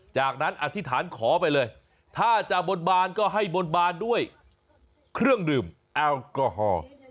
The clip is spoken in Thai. จากนั้นอธิษฐานขอไปเลยถ้าจะบนบานก็ให้บนบานด้วยเครื่องดื่มแอลกอฮอล์